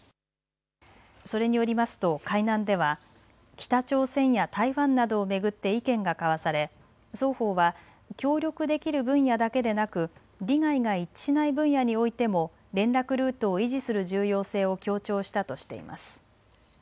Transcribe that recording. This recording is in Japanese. それによりますと会談では北朝鮮や台湾などを巡って意見が交わされ、双方は協力できる分野だけでなく利害が一致しない分野においても連絡ルートを維持する重要性を強調したとしています。